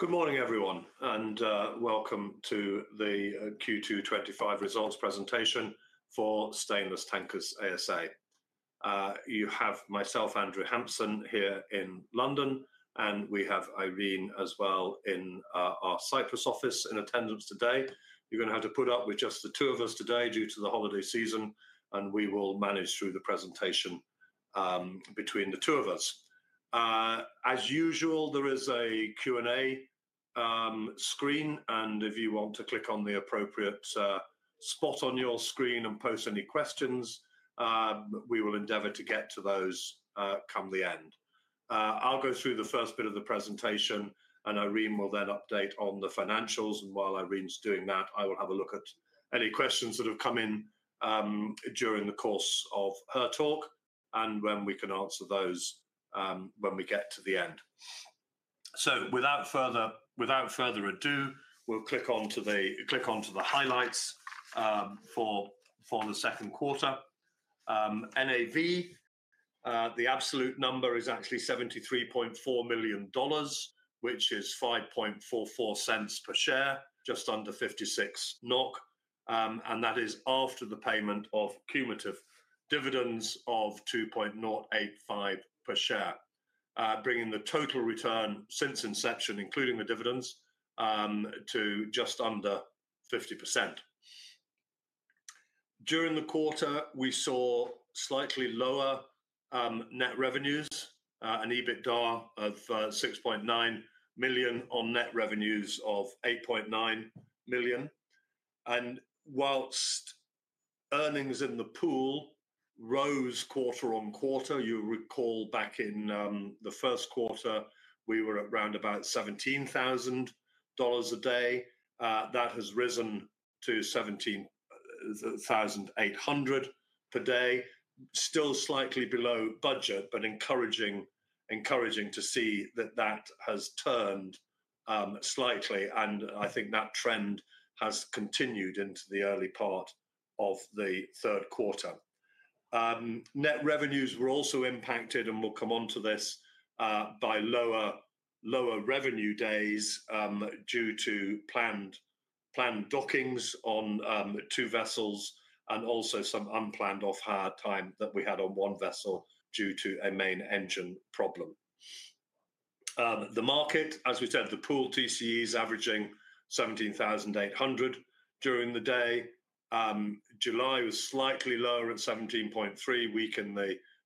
Good morning, everyone, and welcome to the Q2 2025 Results Presentation for Stainless Tankers ASA. You have myself, Andrew Hampson, here in London, and we have Irene as well in our Cyprus office in attendance today. You're going to have to put up with just the two of us today due to the holiday season, and we will manage through the presentation between the two of us. As usual, there is a Q&A screen, and if you want to click on the appropriate spot on your screen and post any questions, we will endeavor to get to those come the end. I'll go through the first bit of the presentation, and Irene will then update on the financials. While Irene's doing that, I will have a look at any questions that have come in during the course of her talk, and then we can answer those when we get to the end. Without further ado, we'll click onto the highlights for the second quarter. NAV, the absolute number is actually $73.4 million, which is $0.0544 per share, just under 0.56 NOK. That is after the payment of cumulative dividends of $2.085 per share, bringing the total return since inception, including the dividends, to just under 50%. During the quarter, we saw slightly lower net revenues, an EBITDA of $6.9 million on net revenues of $8.9 million. Whilst earnings in the pool rose quarter-on-quarter, you'll recall back in the first quarter, we were at around $17,000 a day. That has risen to $17,800 per day, still slightly below budget, but encouraging to see that that has turned slightly. I think that trend has continued into the early part of the third quarter. Net revenues were also impacted, and we'll come onto this, by lower revenue days due to planned dockings on two vessels and also some unplanned off-hire time that we had on one vessel due to a main engine problem. The market, as we said, the pool TCEs averaging $17,800 during the day. July was slightly lower at $17,300,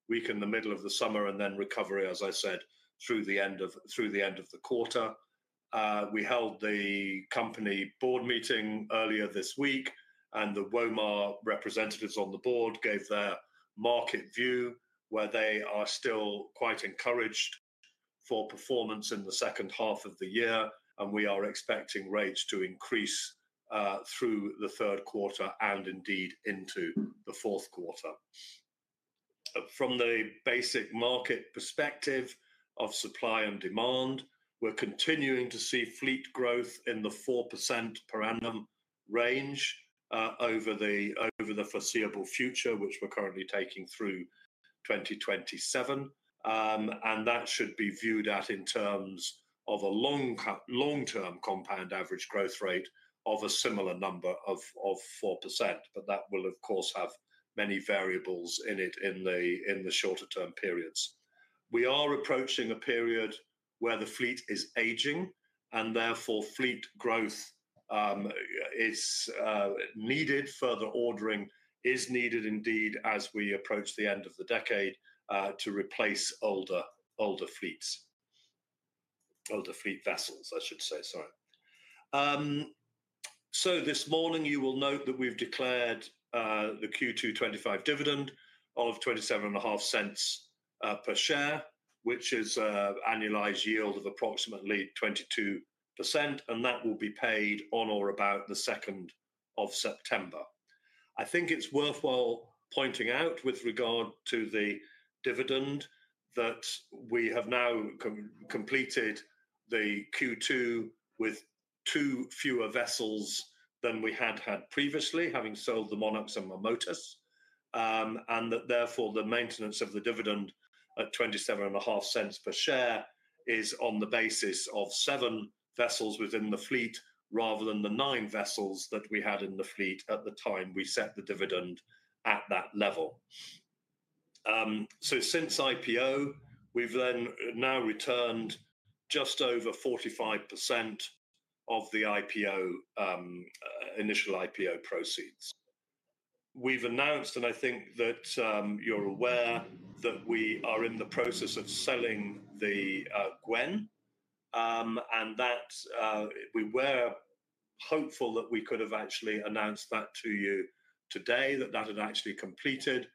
weak in the middle of the summer, and then recovery, as I said, through the end of the quarter. We held the company board meeting earlier this week, and the Womar representatives on the board gave their market view, where they are still quite encouraged for performance in the second half of the year. We are expecting rates to increase through the third quarter and indeed into the fourth quarter. From the basic market perspective of supply and demand, we're continuing to see fleet growth in the 4% per annum range over the foreseeable future, which we're currently taking through 2027. That should be viewed in terms of a long-term compound average growth rate of a similar number of 4%. That will, of course, have many variables in it in the shorter-term periods. We are approaching a period where the fleet is aging, and therefore fleet growth is needed. Further ordering is needed indeed as we approach the end of the decade to replace older fleet vessels. This morning, you will note that we've declared the Q2 2025 dividend of $0.275 per share, which is an annualized yield of approximately 22%. That will be paid on or about the 2nd of September. I think it's worthwhile pointing out with regard to the dividend that we have now completed Q2 with two fewer vessels than we had previously, having sold the Monax and Marmotas. Therefore, the maintenance of the dividend at $0.275 per share is on the basis of seven vessels within the fleet rather than the nine vessels that we had in the fleet at the time we set the dividend at that level. Since IPO, we've now returned just over 45% of the initial IPO proceeds. We've announced, and I think that you're aware, that we are in the process of selling the Gwen. We were hopeful that we could have actually announced that to you today, that that had actually completed.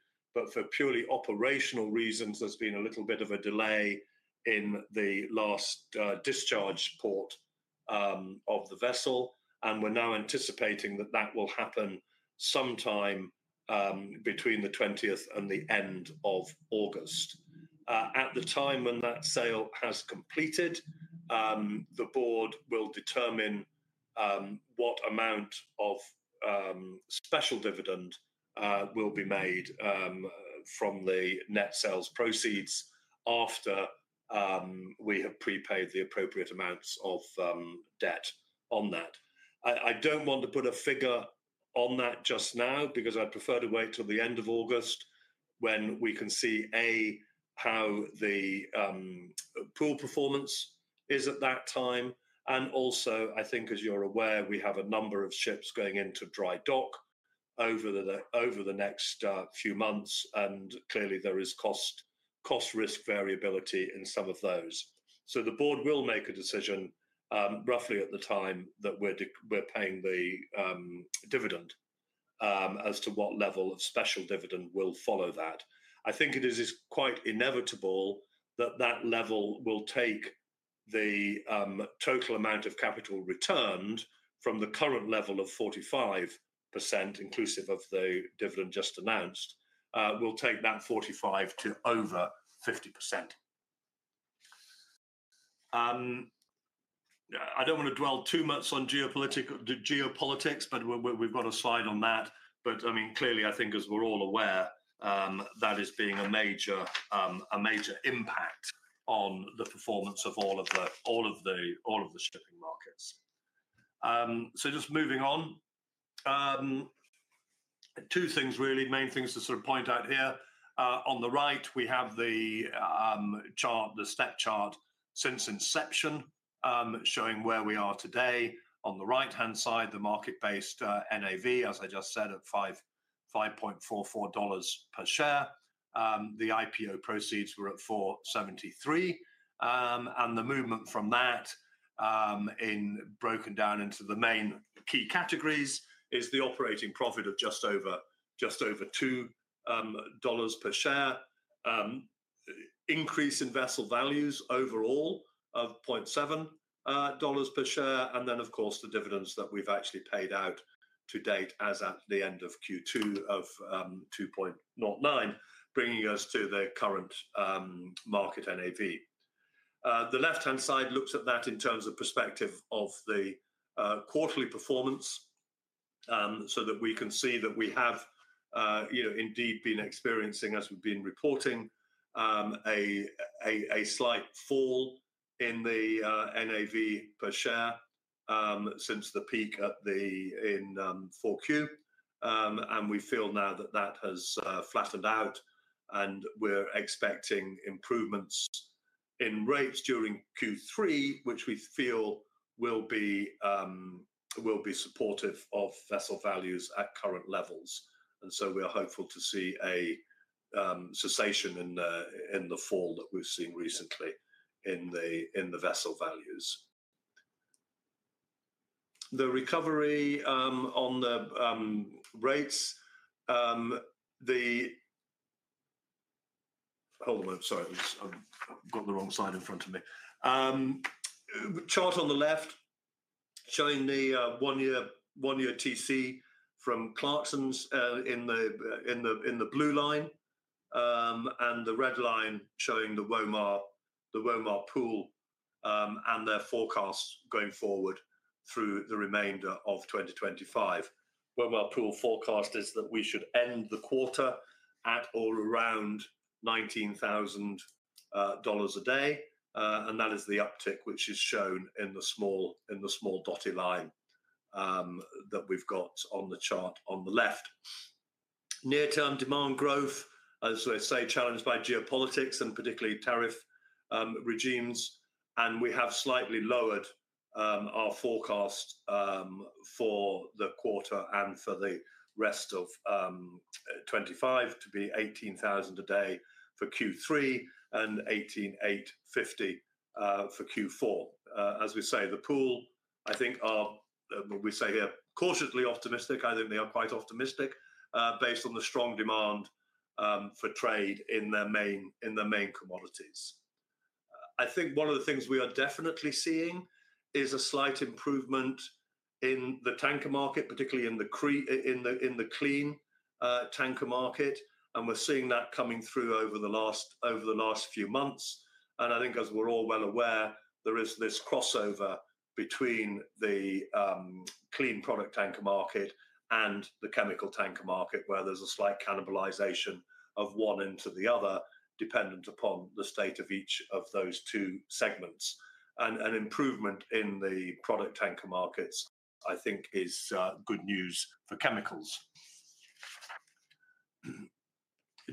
For purely operational reasons, there's been a little bit of a delay in the last discharge port of the vessel. We're now anticipating that that will happen sometime between the 20th and the end of August. At the time when that sale has completed, the board will determine what amount of special dividend will be made from the net sales proceeds after we have prepaid the appropriate amounts of debt on that. I don't want to put a figure on that just now because I'd prefer to wait till the end of August when we can see, a, how the pool performance is at that time. Also, I think, as you're aware, we have a number of ships going into dry dock over the next few months. Clearly, there is cost risk variability in some of those. The board will make a decision roughly at the time that we're paying the dividend as to what level of special dividend will follow that. I think it is quite inevitable that that level will take the total amount of capital returned from the current level of 45%, inclusive of the dividend just announced, will take that 45% to over 50%. I don't want to dwell too much on geopolitics, but we've got a slide on that. I mean, clearly, I think as we're all aware, that is being a major impact on the performance of all of the shipping markets. Just moving on, two things really, main things to sort of point out here. On the right, we have the chart, the step chart since inception, showing where we are today. On the right-hand side, the market-based NAV, as I just said, at $5.44 per share. The IPO proceeds were at $4.73. The movement from that, broken down into the main key categories, is the operating profit of just over $2 per share, increase in vessel values overall of $0.70 per share, and then, of course, the dividends that we've actually paid out to date as at the end of Q2 of $2.09, bringing us to the current market NAV. The left-hand side looks at that in terms of perspective of the quarterly performance so that we can see that we have, you know, indeed been experiencing, as we've been reporting, a slight fall in the NAV per share since the peak in 4Q. We feel now that that has flattened out. We're expecting improvements in rates during Q3, which we feel will be supportive of vessel values at current levels. We are hopeful to see a cessation in the fall that we've seen recently in the vessel values. The recovery on the rates, hold on, sorry, I've got the wrong side in front of me. Chart on the left showing the one-year TC from Clarkson's in the blue line, and the red line showing the Womar pool and their forecast going forward through the remainder of 2025. Womar pool forecast is that we should end the quarter at or around $19,000 a day. That is the uptick, which is shown in the small dotted line that we've got on the chart on the left. Near-term demand growth, as I say, challenged by geopolitics and particularly tariff regimes. We have slightly lowered our forecast for the quarter and for the rest of 2025 to be $18,000 a day for Q3 and $18,850 for Q4. As we say, the pool, I think, are what we say here, quarterly optimistic. I think they are quite optimistic based on the strong demand for trade in their main commodities. I think one of the things we are definitely seeing is a slight improvement in the tanker market, particularly in the clean tanker market. We're seeing that coming through over the last few months. I think, as we're all well aware, there is this crossover between the clean product tanker market and the chemical tanker market, where there's a slight cannibalization of one into the other, dependent upon the state of each of those two segments. An improvement in the product tanker markets, I think, is good news for chemicals.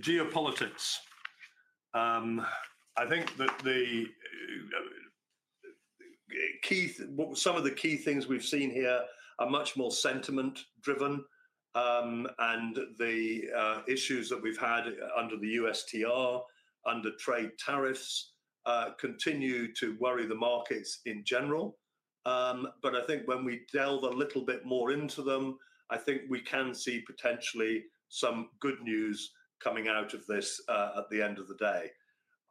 Geopolitics, I think that some of the key things we've seen here are much more sentiment-driven. The issues that we've had under the USTR, under trade tariffs, continue to worry the markets in general. I think when we delve a little bit more into them, we can see potentially some good news coming out of this at the end of the day.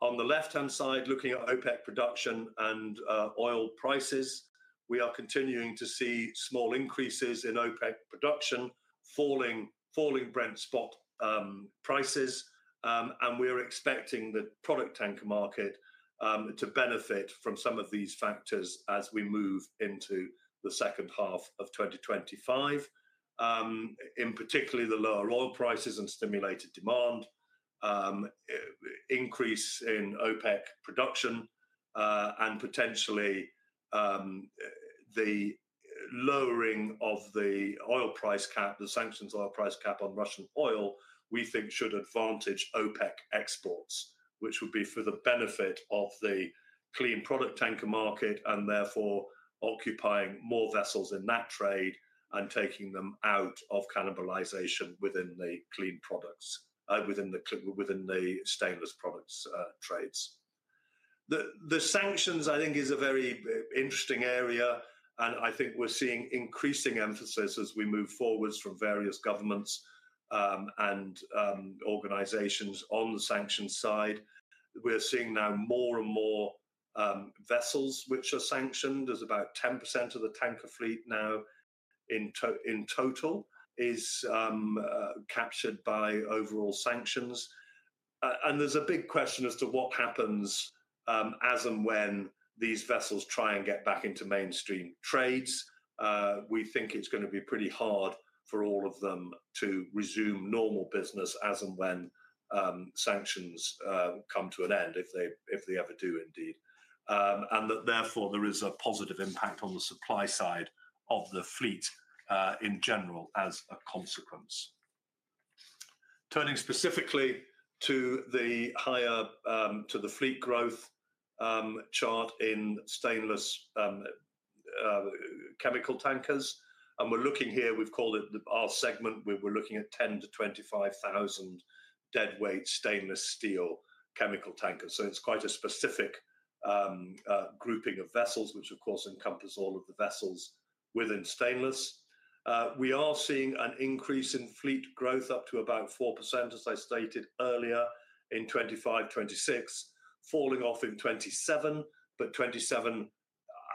On the left-hand side, looking at OPEC production and oil prices, we are continuing to see small increases in OPEC production, falling Brent spot prices. We are expecting the product tanker market to benefit from some of these factors as we move into the second half of 2025, in particular the lower oil prices and stimulated demand, increase in OPEC production, and potentially the lowering of the oil price cap, the sanctions oil price cap on Russian oil, which we think should advantage OPEC exports. This would be for the benefit of the clean product tanker market and therefore occupying more vessels in that trade and taking them out of cannibalization within the clean products, within the stainless products trades. The sanctions, I think, is a very interesting area. I think we're seeing increasing emphasis as we move forwards from various governments and organizations on the sanctions side. We're seeing now more and more vessels which are sanctioned. There's about 10% of the tanker fleet now in total is captured by overall sanctions. There's a big question as to what happens as and when these vessels try and get back into mainstream trades. We think it's going to be pretty hard for all of them to resume normal business as and when sanctions come to an end, if they ever do indeed. That therefore, there is a positive impact on the supply side of the fleet in general as a consequence. Turning specifically to the higher fleet growth chart in stainless chemical tankers, we're looking here, we've called it our segment where we're looking at 10,000 DWT-25,000 DWT deadweight stainless steel chemical tankers. It's quite a specific grouping of vessels, which of course encompasses all of the vessels within stainless. We are seeing an increase in fleet growth up to about 4%, as I stated earlier, in 2025, 2026, falling off in 2027. 2027,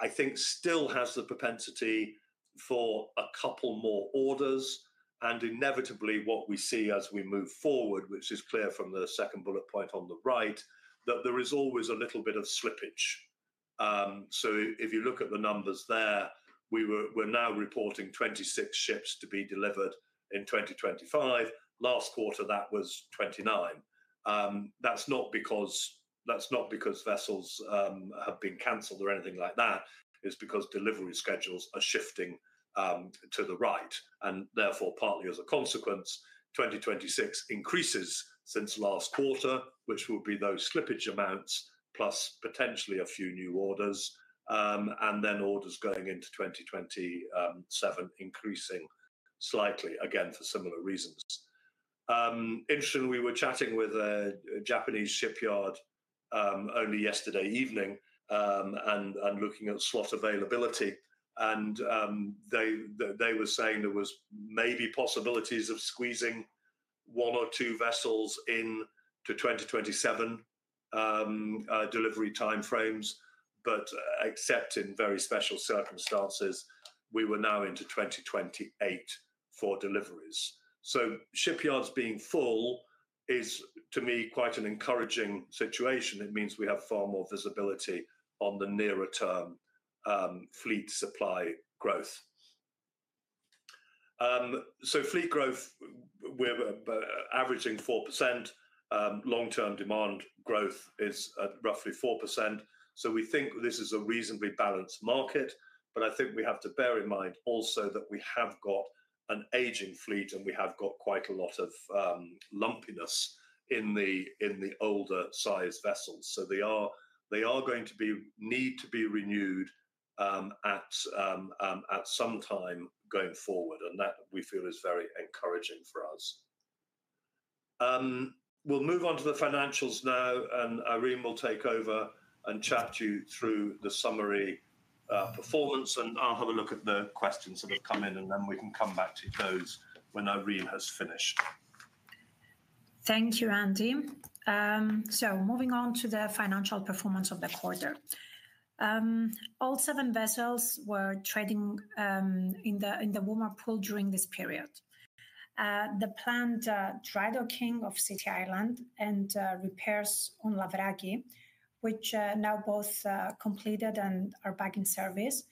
I think, still has the propensity for a couple more orders. Inevitably, what we see as we move forward, which is clear from the second bullet point on the right, is that there is always a little bit of slippage. If you look at the numbers there, we're now reporting 26 ships to be delivered in 2025. Last quarter, that was 29. That's not because vessels have been canceled or anything like that. It's because delivery schedules are shifting to the right. Therefore, partly as a consequence, 2026 increases since last quarter, which will be those slippage amounts plus potentially a few new orders. Orders going into 2027 are increasing slightly, again, for similar reasons. Interestingly, we were chatting with a Japanese shipyard only yesterday evening and looking at slot availability. They were saying there were maybe possibilities of squeezing one or two vessels into 2027 delivery timeframes. Except in very special circumstances, we were now into 2028 for deliveries. Shipyards being full is, to me, quite an encouraging situation. It means we have far more visibility on the nearer term fleet supply growth. Fleet growth, we're averaging 4%. Long-term demand growth is at roughly 4%. We think this is a reasonably balanced market. I think we have to bear in mind also that we have got an aging fleet and we have got quite a lot of lumpiness in the older size vessels. They are going to need to be renewed at some time going forward. That we feel is very encouraging for us. We'll move on to the financials now, and Irene will take over and chat you through the summary performance. I'll have a look at the questions that have come in, and then we can come back to those when Irene has finished. Thank you, Andy. Moving on to the financial performance of the quarter. All seven vessels were trading in the Womar pool during this period. The planned dry docking of City Island and repairs on Labragui, which are now both completed and are back in service,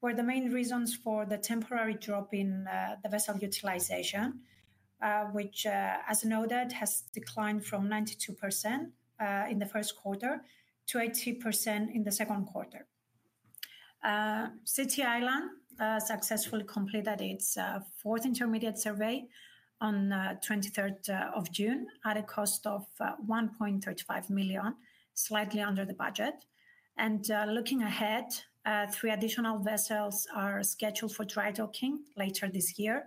were the main reasons for the temporary drop in the vessel utilization, which, as noted, has declined from 92% in the first quarter to 80% in the second quarter. City Island successfully completed its fourth intermediate survey on the 23rd of June at a cost of $1.35 million, slightly under the budget. Looking ahead, three additional vessels are scheduled for dry docking later this year,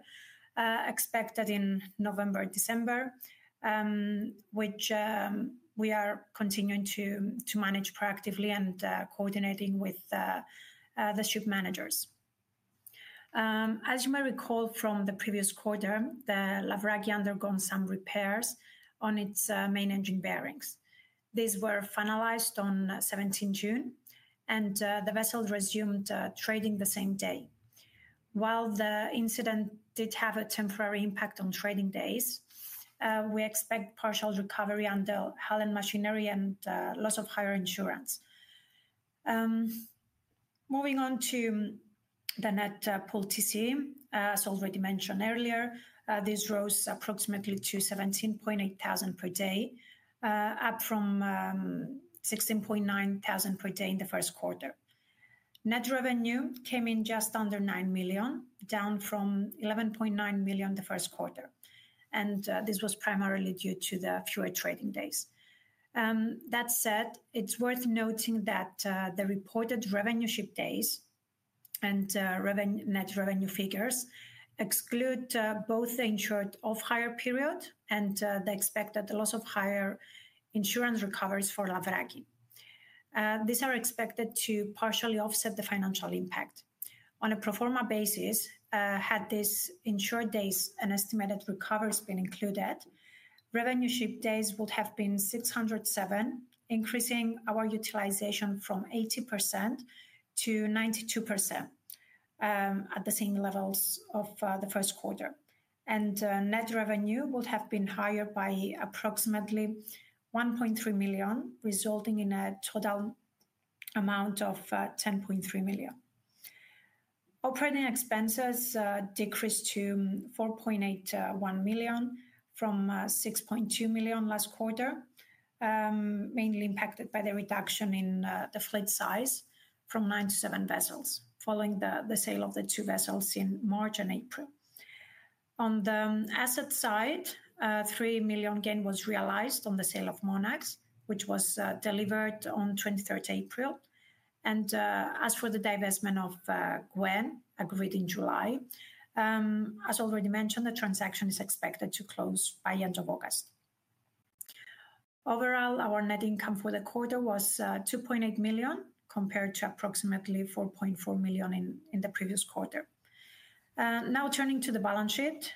expected in November and December, which we are continuing to manage proactively and coordinating with the ship managers. As you may recall from the previous quarter, Labragui underwent some repairs on its main engine bearings. These were finalized on 17 June, and the vessel resumed trading the same day. While the incident did have a temporary impact on trading days, we expect partial recovery under Hellenic Machineryla and loss of hire insurance. Moving on to the net pool TCE, as already mentioned earlier, this rose approximately to $17,800 per day, up from $16,900 per day in the first quarter. Net revenue came in just under $9 million, down from $11.9 million in the first quarter. This was primarily due to the fewer trading days. It's worth noting that the reported revenue ship days and net revenue figures exclude both the insured off-hire period and the expected loss of hire insurance recoveries for Labragui. These are expected to partially offset the financial impact. On a pro forma basis, had these insured days and estimated recoveries been included, revenue ship days would have been 607, increasing our utilization from 80% to 92% at the same levels of the first quarter. Net revenue would have been higher by approximately $1.3 million, resulting in a total amount of $10.3 million. Operating expenses decreased to $4.81 million from $6.2 million last quarter, mainly impacted by the reduction in the fleet size from nine to seven vessels following the sale of the two vessels in March and April. On the asset side, a $3 million gain was realized on the sale of Monax, which was delivered on 23rd April. As for the divestment of Gwen, agreed in July, as already mentioned, the transaction is expected to close by the end of August. Overall, our net income for the quarter was $2.8 million compared to approximately $4.4 million in the previous quarter. Now turning to the balance sheet,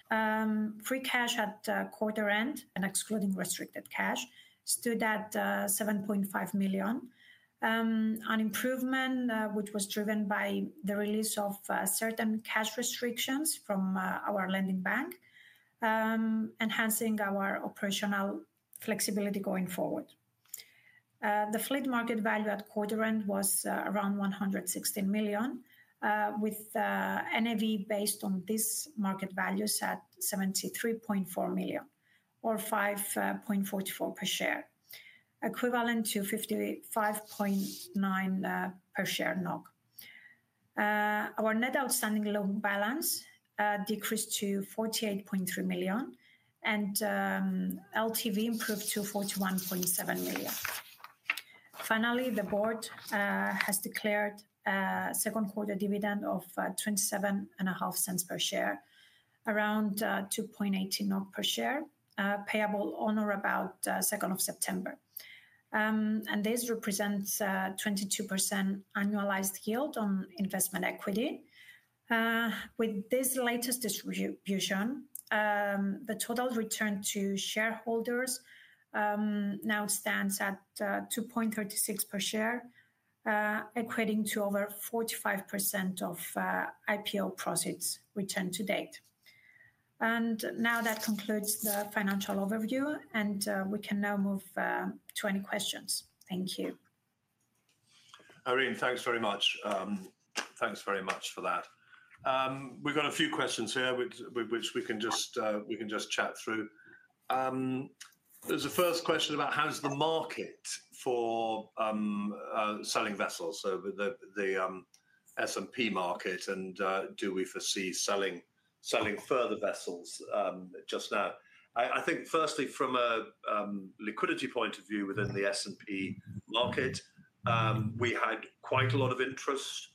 free cash at the quarter end, and excluding restricted cash, stood at $7.5 million. An improvement which was driven by the release of certain cash restrictions from our lending bank, enhancing our operational flexibility going forward. The fleet market value at quarter end was around $116 million, with NAV based on these market values at $73.4 million or $5.44 per share, equivalent to 55.9 per share. Our net outstanding loan balance decreased to $48.3 million, and LTV improved to 41.7%. Finally, the board has declared a second quarter dividend of $0.275 per share, around 2.18 per share, payable on or about the 2nd of September. This represents a 22% annualized yield on investment equity. With this latest distribution, the total return to shareholders now stands at $2.36 per share, equating to over 45% of IPO profits returned to date. That concludes the financial overview, and we can now move to any questions. Thank you. Irene, thanks very much. Thanks very much for that. We've got a few questions here, which we can just chat through. There's a first question about how's the market for selling vessels, so the S&P market, and do we foresee selling further vessels just now? I think firstly, from a liquidity point of view within the S&P market, we had quite a lot of interest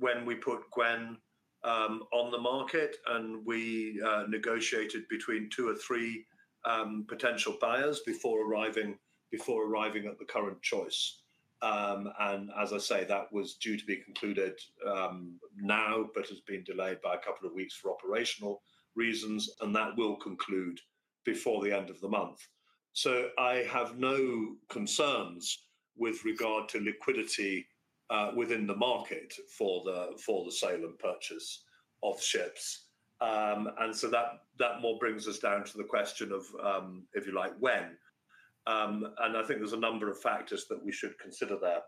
when we put Gwen on the market, and we negotiated between two or three potential buyers before arriving at the current choice. That was due to be concluded now, but has been delayed by a couple of weeks for operational reasons, and that will conclude before the end of the month. I have no concerns with regard to liquidity within the market for the sale and purchase of ships. That more brings us down to the question of, if you like, when. I think there's a number of factors that we should consider there.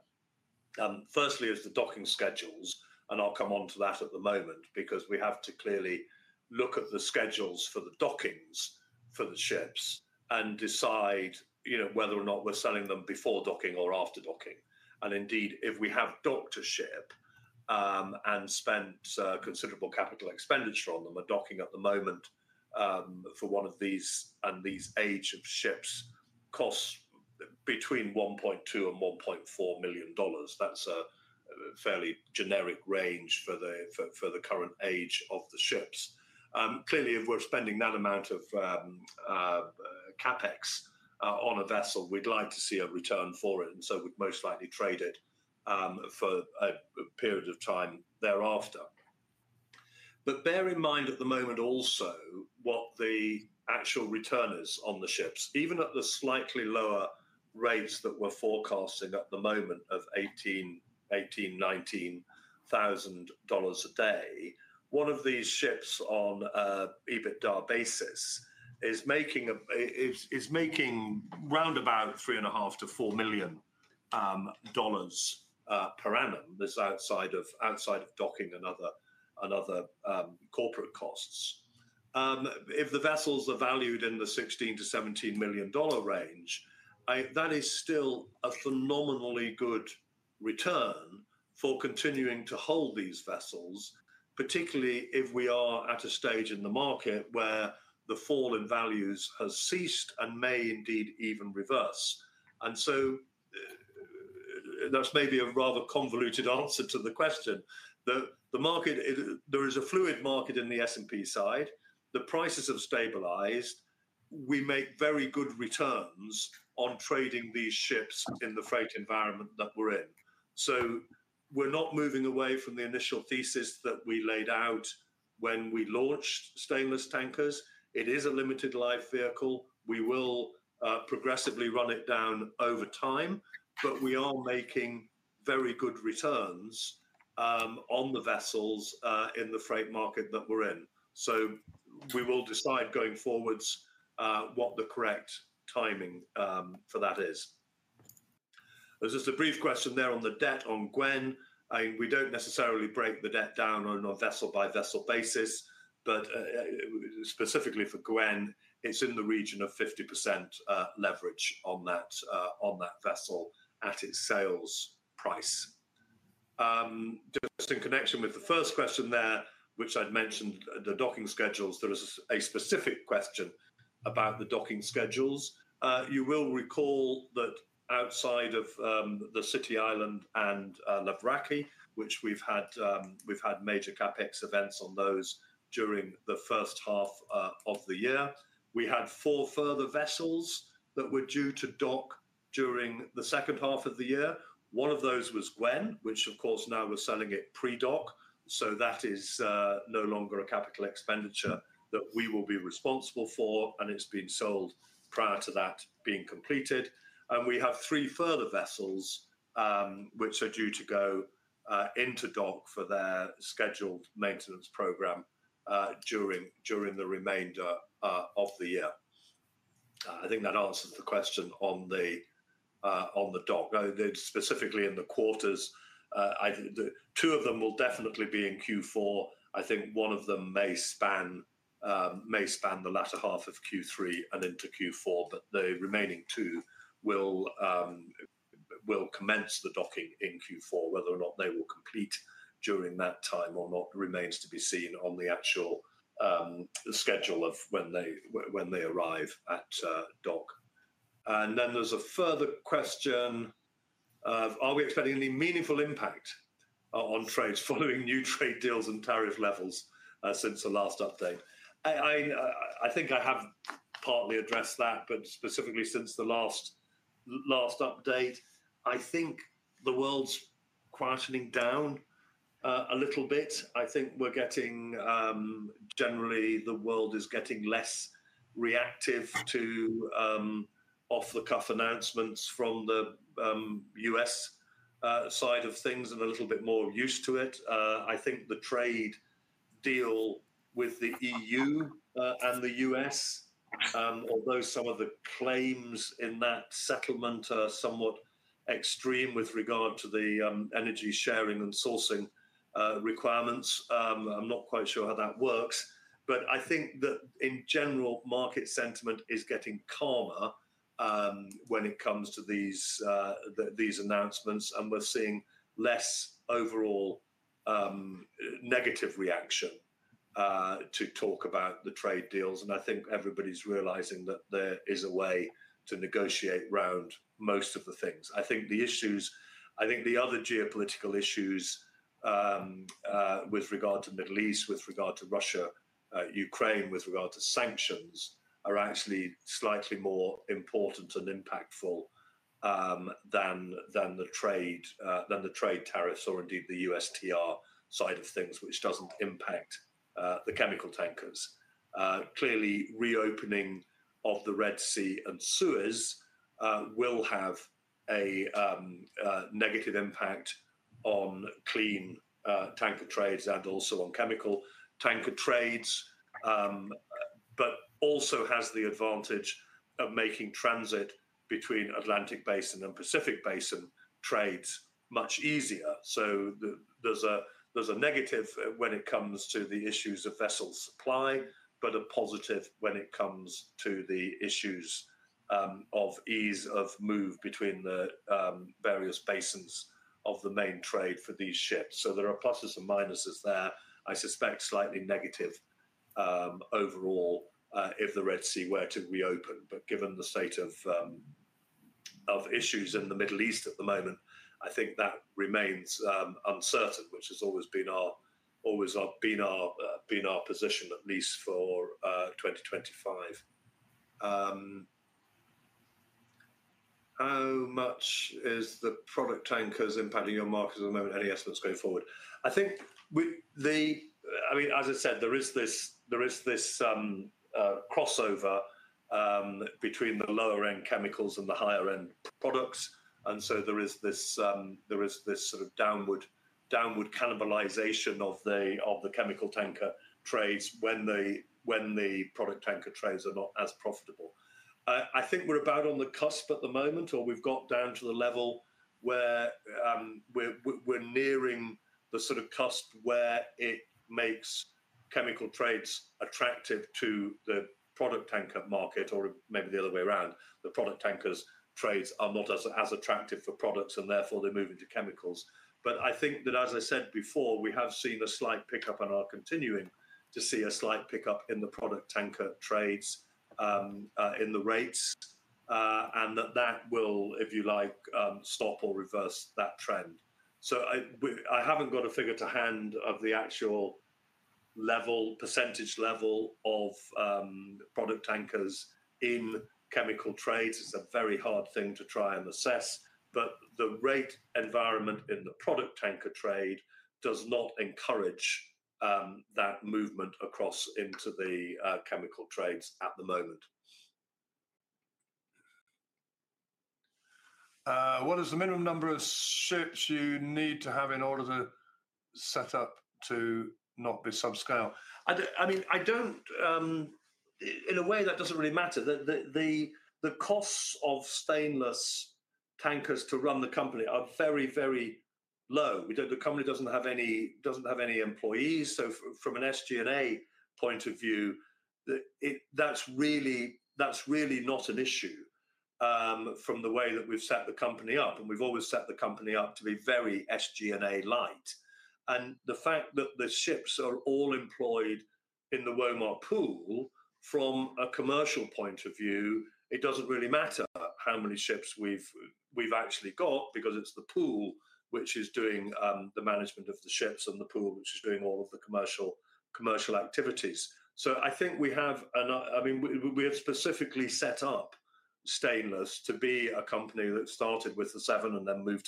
Firstly, is the docking schedules, and I'll come on to that at the moment because we have to clearly look at the schedules for the dockings for the ships and decide whether or not we're selling them before docking or after docking. Indeed, if we have docked a ship and spent considerable capital expenditure on them, a docking at the moment for one of these and these age of ships costs between $1.2 million and $1.4 million. That's a fairly generic range for the current age of the ships. Clearly, if we're spending that amount of CapEx on a vessel, we'd like to see a return for it, and we'd most likely trade it for a period of time thereafter. Bear in mind at the moment also what the actual return is on the ships. Even at the slightly lower rates that we're forecasting at the moment of $18,000-$19,000 a day, one of these ships on an EBITDA basis is making round about $3.5 million-$4 million per annum. This is outside of docking and other corporate costs. If the vessels are valued in the $16 million-$17 million range, that is still a phenomenally good return for continuing to hold these vessels, particularly if we are at a stage in the market where the fall in values has ceased and may indeed even reverse. That's maybe a rather convoluted answer to the question. The market, there is a fluid market in the S&P side. The prices have stabilized. We make very good returns on trading these ships in the freight environment that we're in. We're not moving away from the initial thesis that we laid out when we launched Stainless Tankers. It is a limited life vehicle. We will progressively run it down over time, but we are making very good returns on the vessels in the freight market that we're in. We will decide going forwards what the correct timing for that is. There's just a brief question there on the debt on Gwen. We don't necessarily break the debt down on a vessel-by-vessel basis, but specifically for Gwen, it's in the region of 50% leverage on that vessel at its sales price. Just in connection with the first question there, which I'd mentioned, the docking schedules, there is a specific question about the docking schedules. You will recall that outside of the City Island and Labragui, which we've had major CapEx events on those during the first half of the year, we had four further vessels that were due to dock during the second half of the year. One of those was Gwen, which of course now we're selling it pre-dock. That is no longer a capital expenditure that we will be responsible for, and it's been sold prior to that being completed. We have three further vessels, which are due to go into dock for their scheduled maintenance program during the remainder of the year. I think that answers the question on the dock. Specifically in the quarters, two of them will definitely be in Q4. I think one of them may span the latter half of Q3 and into Q4, but the remaining two will commence the docking in Q4. Whether or not they will complete during that time or not remains to be seen on the actual schedule of when they arrive at dock. There's a further question. Are we expecting any meaningful impact on trades following new trade deals and tariff levels since the last update? I think I have partly addressed that, but specifically since the last update, I think the world's quietening down a little bit. I think we're getting, generally, the world is getting less reactive to off-the-cuff announcements from the U.S. side of things and a little bit more used to it. I think the trade deal with the E.U. and the U.S., although some of the claims in that settlement are somewhat extreme with regard to the energy sharing and sourcing requirements, I'm not quite sure how that works. I think that in general, market sentiment is getting calmer when it comes to these announcements, and we're seeing less overall negative reaction to talk about the trade deals. I think everybody's realizing that there is a way to negotiate round most of the things. I think the issues, the other geopolitical issues with regard to the Middle East, with regard to Russia, Ukraine, with regard to sanctions are actually slightly more important and impactful than the trade tariffs or indeed the USTR side of things, which doesn't impact the chemical tankers. Clearly, reopening of the Red Sea and Suez will have a negative impact on clean tanker trades and also on chemical tanker trades, but also has the advantage of making transit between Atlantic Basin and Pacific Basin trades much easier. There's a negative when it comes to the issues of vessel supply, but a positive when it comes to the issues of ease of move between the various basins of the main trade for these ships. There are pluses and minuses there. I suspect slightly negative overall if the Red Sea were to reopen. Given the state of issues in the Middle East at the moment, I think that remains uncertain, which has always been our position at least for 2025. How much is the product tankers impacting your market at the moment? Any estimates going forward? I think, as I said, there is this crossover between the lower-end chemicals and the higher-end products. There is this sort of downward cannibalization of the chemical tanker trades when the product tanker trades are not as profitable. I think we're about on the cusp at the moment, or we've got down to the level where we're nearing the sort of cusp where it makes chemical trades attractive to the product tanker market, or maybe the other way around. The product tankers' trades are not as attractive for products, and therefore they move into chemicals. I think that, as I said before, we have seen a slight pickup, and are continuing to see a slight pickup in the product tanker trades in the rates, and that will, if you like, stop or reverse that trend. I haven't got a figure to hand of the actual level, % level of product tankers in chemical trades. It's a very hard thing to try and assess, but the rate environment in the product tanker trade does not encourage that movement across into the chemical trades at the moment. What is the minimum number of ships you need to have in order to set up to not be subscale? I mean, in a way, that doesn't really matter. The costs of Stainless Tankers to run the company are very, very low. The company doesn't have any employees. From an SG&A point of view, that's really not an issue from the way that we've set the company up. We have always set the company up to be very SG&A light. The fact that the ships are all employed in the Womar pool, from a commercial point of view, it doesn't really matter how many ships we've actually got because it's the pool which is doing the management of the ships and the pool which is doing all of the commercial activities. I think we have specifically set up Stainless to be a company that started with the seven and then moved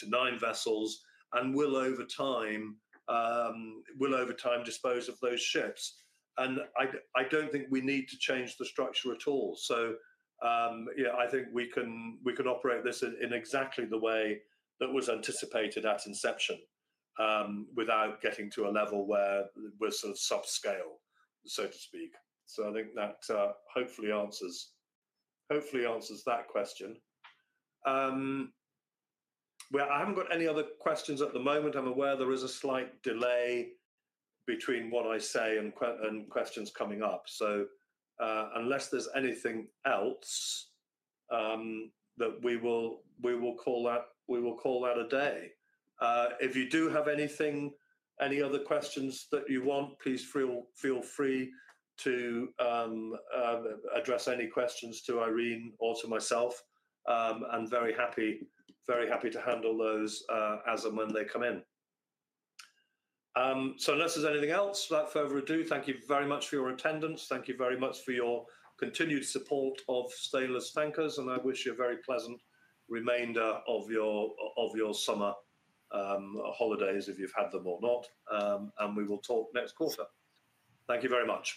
to nine vessels and will over time dispose of those ships. I don't think we need to change the structure at all. I think we can operate this in exactly the way that was anticipated at inception without getting to a level where we're sort of subscale, so to speak. I think that hopefully answers that question. I haven't got any other questions at the moment. I'm aware there is a slight delay between what I say and questions coming up. Unless there's anything else, we will call that a day. If you do have any other questions that you want, please feel free to address any questions to Irene or to myself. I'm very happy to handle those as and when they come in. Unless there's anything else, without further ado, thank you very much for your attendance. Thank you very much for your continued support of Stainless Tankers, and I wish you a very pleasant remainder of your summer holidays, if you've had them or not. We will talk next quarter. Thank you very much.